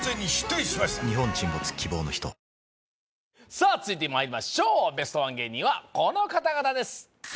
さあ続いてまいりましょうベストワン芸人はこの方々です